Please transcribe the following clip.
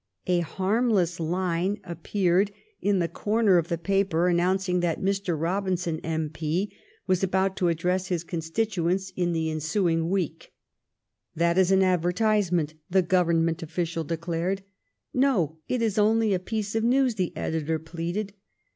A harmless line appeared in the 222 THE STORY OF GLADSTONES LIFE corner of the paper announcing that Mr. Robin son, M.P., was about to address his constituents in the ensuing week. That is an advertise ment, the Government official declared. No, it is only a piece of news, the editor pleaded.